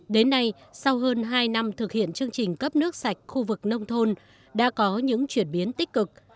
đến nay sau hơn hai năm thực hiện chương trình cấp nước sạch khu vực nông thôn đã có những chuyển biến tích cực